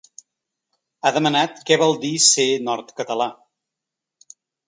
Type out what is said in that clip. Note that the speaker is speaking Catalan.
Ha demanat què vol dir ser nord-català.